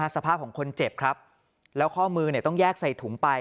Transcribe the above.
สภาพของคนเจ็บครับแล้วข้อมือต้องแยกใส่ถุงไป